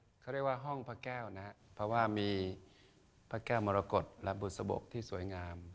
เขาเรียกว่าห้องพระแก้วนะครับเพราะว่ามีพระแก้วมรกฏและบุษบกที่สวยงาม